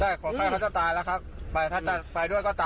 หัวไข้เขาจะตายแล้วครับถ้าจะไปด้วยก็ตามไป